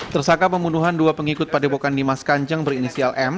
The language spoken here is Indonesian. tersangka pembunuhan dua pengikut padepokan dimas kanjeng berinisial m